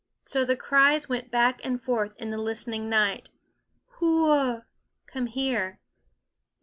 So the cries went back and forth in the listening night, Hoo wuh, "come here."